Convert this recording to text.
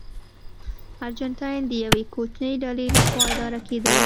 ارجنټاین د یوې کوچنۍ ډلې لخوا اداره کېده.